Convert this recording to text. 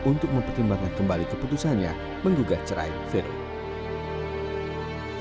untuk mempertimbangkan kembali keputusannya menggugah cerai veronika tan